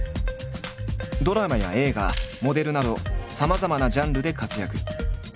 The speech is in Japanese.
ドラマや映画モデルなどさまざまなジャンルで活躍。